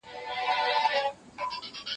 هغه څوک چي بشپړ کوي منظم وي!.